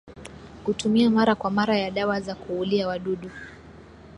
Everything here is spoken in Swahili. Kutumia mara kwa mara ya dawa za kuulia wadudu